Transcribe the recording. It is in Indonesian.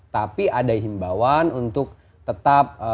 tapi ada himbawan untuk tetap